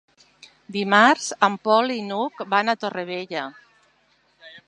Dimarts en Pol i n'Hug van a Torrevella.